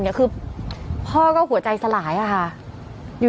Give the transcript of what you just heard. แล้วพ่อก็หัวใจสลายค่ะ